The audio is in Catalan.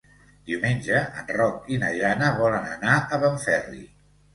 Diumenge en Roc i na Jana volen anar a Benferri.